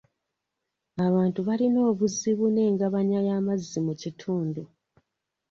Abantu balina obuzibu n'engabanya y'amazzi mu kitundu .